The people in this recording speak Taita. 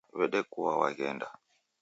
Wedekua waghenda